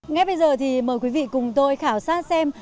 ngay bây giờ thì mời quý vị cùng tôi khảo sát xem